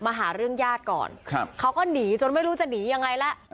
หาเรื่องญาติก่อนเขาก็หนีจนไม่รู้จะหนียังไงแล้ว